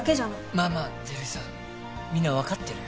まあまあ照井さんみんな分かってるよ。